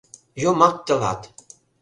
— «Йомак тылат!